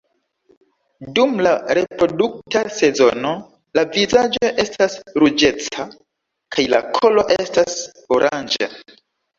Dum la reprodukta sezono, la vizaĝo estas ruĝeca kaj la kolo estas oranĝa.